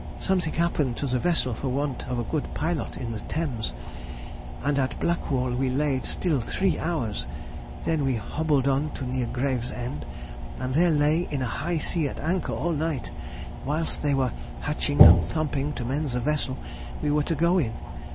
Something happened to the vessel for want of a good pilot in the Thames, and at Blackwall we laid still three hours, then we hobbled on to near Gravesend, and there lay in a high sea at anchor all night, whilst they were hatching and thumping to mend the vessel we were to go in.